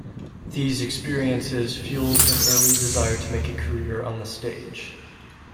These experiences fuelled an early desire to make a career on the stage.